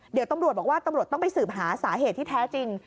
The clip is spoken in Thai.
เดี๋ยวตำรวจบอกว่าตำรวจต้องไปสืบหาสาเหตุที่แท้จริง